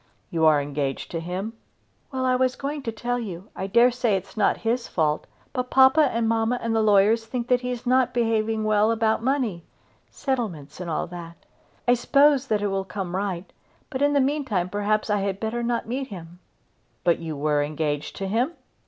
"You are engaged to him?" "Well; I was going to tell you. I dare say it is not his fault; but papa and mamma and the lawyers think that he is not behaving well about money; settlements and all that. I suppose it will all come right; but in the meantime perhaps I had better not meet him." "But you were engaged to him?"